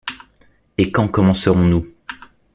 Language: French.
Et quand commencerons-nous